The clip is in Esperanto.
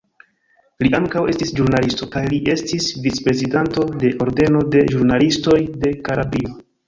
Li ankaŭ estis ĵurnalisto kaj li estis vic-prezidanto de Ordeno de ĵurnalistoj de Kalabrio.